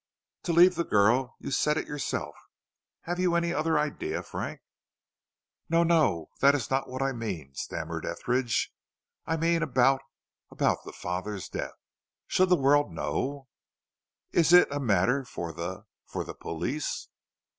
"To leave the girl you said it yourself. Have you any other idea, Frank?" "No, no; that is not what I mean," stammered Etheridge. "I mean about about the father's death. Should the world know? Is it a matter for the for the police?"